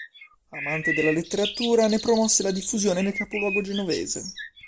Amante della letteratura ne promosse la diffusione nel capoluogo genovese.